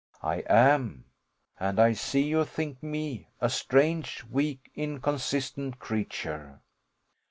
I am, and I see you think me, a strange, weak, inconsistent creature.